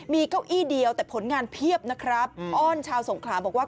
มีเก้าอี้เดียวแต่ผลงานเพียบนะครับอ้อนชาวสงขลาบอกว่า